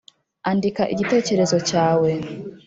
Andika igitekerezo cyawe